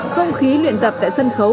không khí luyện tập tại sân khấu